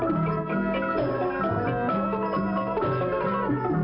มันมันมันมัน